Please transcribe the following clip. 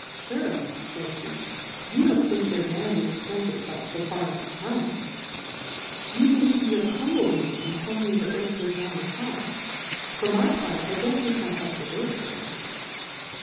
^ Sure, [ays fie^ you don't think their Vanity extends it fcif fo far as Aftronomy 1 Do you believe you have humbled me, in telling me the Earth goes round the Srm ? For my part I don't think my ftlf the worfe for it.